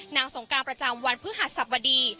นางสงครานประจำวันพฤหัสสับวดี